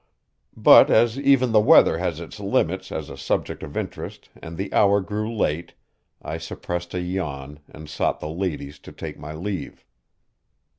But as even the weather has its limits as a subject of interest and the hour grew late, I suppressed a yawn and sought the ladies to take my leave.